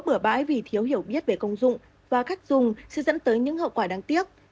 bửa bãi vì thiếu hiểu biết về công dụng và cách dùng sẽ dẫn tới những hậu quả đáng tiếc